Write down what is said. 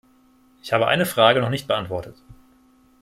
Ich habe eine Frage noch nicht beantwortet.